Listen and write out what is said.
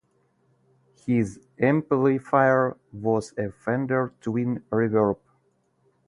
His amplifier was a Fender Twin Reverb.